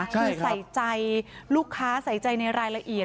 คือใส่ใจลูกค้าใส่ใจในรายละเอียด